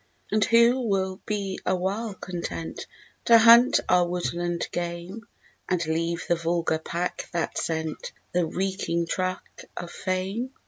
And who will be awhile content To hunt our woodland game, And leave the vulgar pack that scent The reeking track of fame?